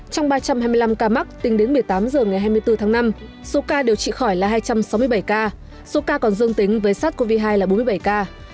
trong ba trăm hai mươi năm ca mắc tính đến một mươi tám h ngày hai mươi bốn tháng năm số ca điều trị khỏi là hai trăm sáu mươi bảy ca số ca còn dương tính với sars cov hai là bốn mươi bảy ca